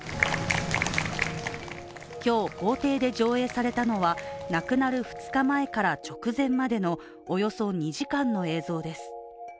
今日、法廷で上映されたのは亡くなる２日前から直前までのおよそ２時間の映像です。